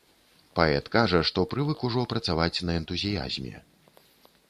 Паэт кажа, што прывык ужо працаваць на энтузіязме.